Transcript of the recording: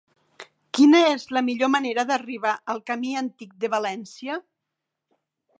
Quina és la millor manera d'arribar al camí Antic de València?